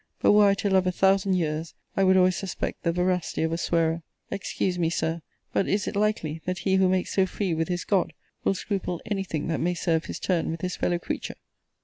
but were I to love a thousand years, I would always suspect the veracity of a swearer. Excuse me, Sir; but is it likely, that he who makes so free with his GOD, will scruple any thing that may serve his turn with his fellow creature?